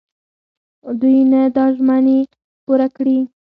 دوی نه دا ژمني پوره کړي.